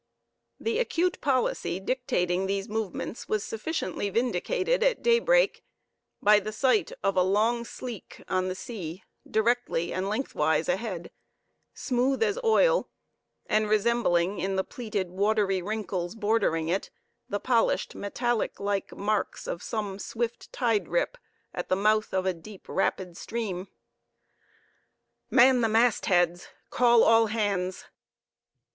The acute policy dictating these movements was sufficiently vindicated at daybreak, by the sight of a long sleek on the sea directly and lengthwise ahead, smooth as oil, and resembling in the pleated watery wrinkles bordering it, the polished metallic like marks of some swift tide rip, at the mouth of a deep, rapid stream. "Man the mast heads! Call all hands!"